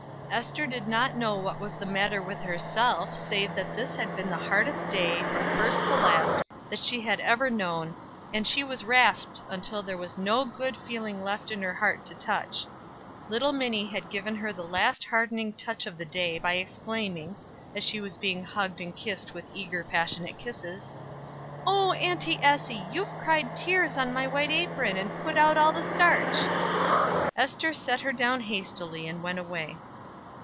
Ester did not know what was the matter with herself, save that this had been the hardest day, from first to last, that she had ever known, and she was rasped until there was no good feeling left in her heart to touch. Little Minnie had given her the last hardening touch of the day, by exclaiming, as she was being hugged and kissed with eager, passionate kisses: "Oh, Auntie Essie! You've cried tears on my white apron, and put out all the starch." Ester set her down hastily, and went away.